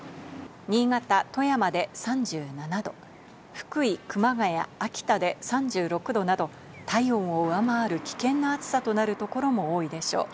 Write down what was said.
新潟、富山で３７度、福井、熊谷、秋田で３６度など体温を上回る危険な暑さとなるところも多いでしょう。